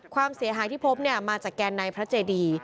ความเสียหายที่พบเนี่ยมาจากแกนในพระเจดี